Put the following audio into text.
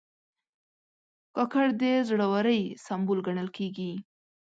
کاکړ د زړه ورۍ سمبول ګڼل کېږي.